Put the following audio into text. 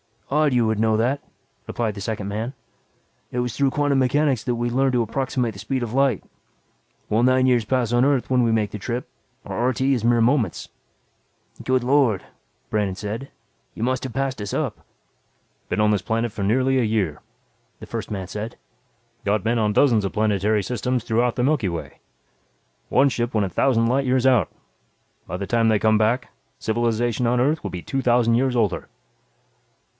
"Odd you would know that," replied the second man. "It was through quantum mechanics that we learned to approximate the speed of light. While nine years pass on Earth when we make the trip, our RT is mere moments." "Good Lord!" Brandon said. "You must have passed us up." "Been on this planet for nearly a year," the first man said. "Got men on dozens of planetary systems throughout the Milky Way. One ship went a thousand light years out. By the time they come back, civilization on Earth will be two thousand years older."